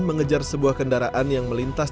mengejar sebuah kendaraan yang melintas